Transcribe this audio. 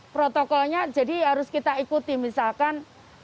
protokolnya jadi harus kita ikuti misalkan